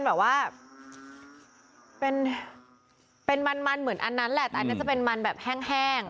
อันนั้นแหละแต่อันนี้เป็นมันแบบแห้งแห้ง